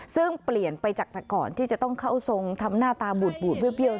ซึ่งเปลี่ยนไปจากแต่ก่อนที่จะต้องเข้าทรงทำหน้าตาบูดเบี้ยว